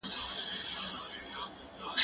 زه پرون قلم استعمالوم کړ!.